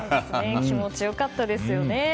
気持ち良かったですよね。